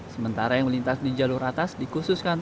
sementara yang melintas di jalur atas dikhususkan